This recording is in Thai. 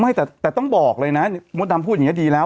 ไม่แต่ต้องบอกเลยนะมดดำพูดอย่างนี้ดีแล้ว